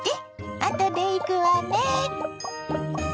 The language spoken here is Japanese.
あとで行くわね。